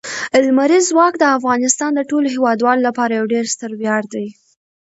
لمریز ځواک د افغانستان د ټولو هیوادوالو لپاره یو ډېر ستر ویاړ دی.